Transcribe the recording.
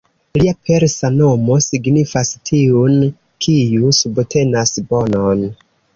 Lia persa nomo signifas ""tiun, kiu subtenas bonon"".